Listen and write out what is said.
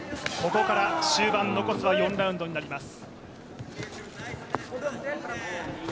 ここから終盤、残すは４ラウンドとなります。